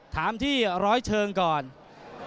ถามที่ร้อยเชิงสินะครับ